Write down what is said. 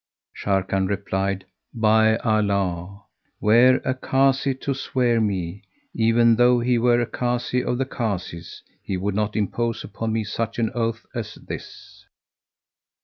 Sharrkan replied, "By Allah! were a Kazi to swear me, even though he were a Kazi of the Kazis,[FN#171] he would not impose upon me such an oath as this!"